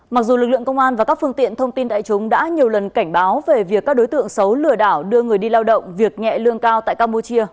mặc dù lực lượng công an và các phương tiện thông tin đại chúng đã nhiều lần cảnh báo về việc các đối tượng xấu lừa đảo đưa người đi lao động việc nhẹ lương cao tại campuchia